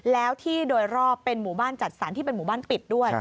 แล้วที่โดยรอบเป็นหมู่บ้านจัดสรรที่เป็นหมู่บ้านปิดด้วย